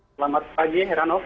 selamat pagi herano